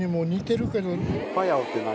パヤオって何？